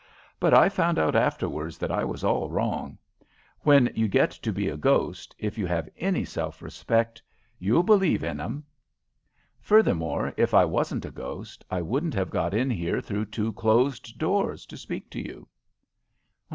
But I found out afterwards that I was all wrong. When you get to be a ghost, if you have any self respect you'll believe in 'em. Furthermore, if I wasn't a ghost I couldn't have got in here through two closed doors to speak to you."